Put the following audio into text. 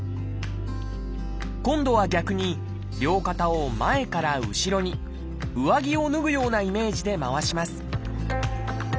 今度は逆に両肩を前から後ろに上着を脱ぐようなイメージで回します